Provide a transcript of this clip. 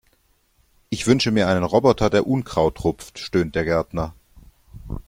"Ich wünsche mir einen Roboter, der Unkraut rupft", stöhnt der Gärtner.